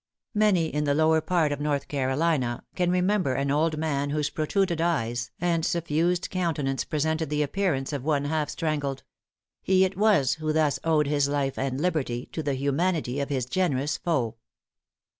Many in the lower part of North Carolina can remember an old man whose protruded eyes and suffused countenance presented the appearance of one half strangled. He it was who thus owed his life and liberty to the humanity of his generous foe.